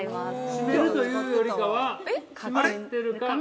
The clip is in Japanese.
◆閉めるというよりかは閉まってるか。